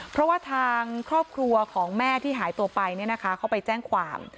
เพราะว่าทางครอบครัวของแม่ที่หายตัวไปเนี่ยนะคะเขาไปแจ้งความ